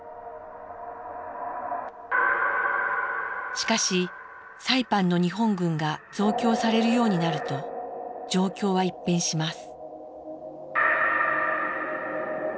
しかしサイパンの日本軍が増強されるようになると状況は一変します。